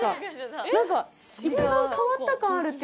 何か一番変わった感あるっていうか。